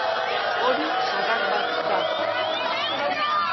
Hori sagar bat da.